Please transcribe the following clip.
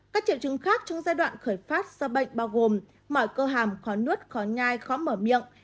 các triệu chứng khác trong giai đoạn khởi phát do bệnh bao gồm mọi cơ hàm khó nuốt khó nhai khó mở miệng